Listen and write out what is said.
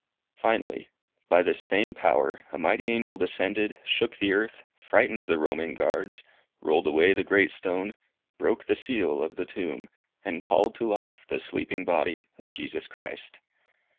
Finally By this same power a mighty angel descended, shook the earth, frightened the Roman guards, rolled away the great stone, broke the seal of the tomb, and called to life the sleeping body of Jesus Christ.